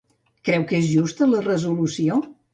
Creu que és justa la resolució?